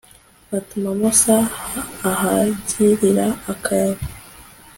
batuma musa ahagirira akaga